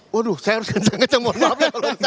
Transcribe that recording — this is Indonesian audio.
waduh saya harus kencang kencang ngomong ngomong